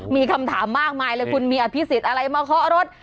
มีคำถามมากมายเลยคุณมีอภิษฎอะไรมาเคาะรถ